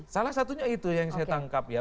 salah satunya itu yang saya tangkap ya